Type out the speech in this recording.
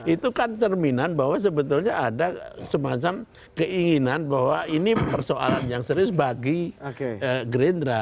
itu kan cerminan bahwa sebetulnya ada semacam keinginan bahwa ini persoalan yang serius bagi gerindra